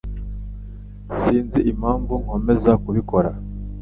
Sinzi impamvu nkomeza kubikora.